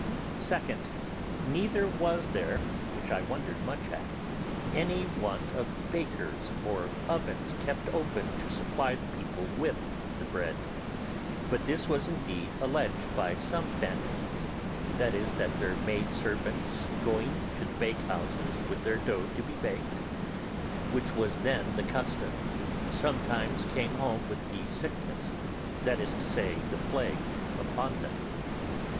(2) Neither was there (which I wondered much at) any want of bakers or ovens kept open to supply the people with the bread; but this was indeed alleged by some families, viz., that their maidservants, going to the bakehouses with their dough to be baked, which was then the custom, sometimes came home with the sickness (that is to say the plague) upon them.